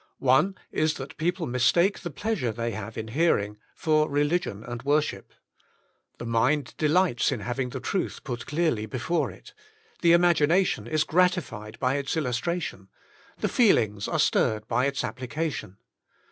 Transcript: One is that people mistake the pleasure they have in hearing, for religion and worship. The mind delights in having the truth put clearly before it; the imagi nation is gratified by its illustration; the feelings are stirred by its application.